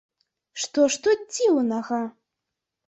Што ж тут дзіўнага?!